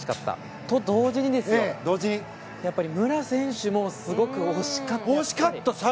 それと同時にやっぱり武良選手もすごく惜しかった。